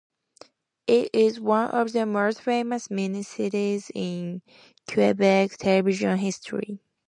It is one of the most famous mini-series in Quebec television history.